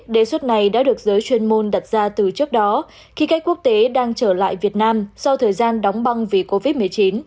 đề xuất này đã được giới chuyên môn đặt ra từ trước đó khi khách quốc tế đang trở lại việt nam sau thời gian đóng băng vì covid một mươi chín